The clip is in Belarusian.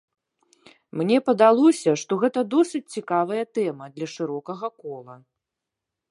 Мне падалося, што гэта досыць цікавая тэма, для шырокага кола.